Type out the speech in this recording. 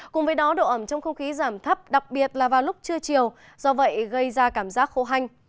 cùng với đó độ ẩm trong không khí giảm thấp đặc biệt là vào lúc trưa chiều do vậy gây ra cảm giác khô hanh